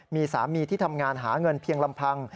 มีสามีที่ทำงานหาเงินเพียงลำพัง